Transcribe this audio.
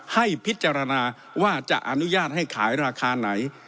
ให้พิจารณาว่าจะอนุญาตให้ขายราคาไหน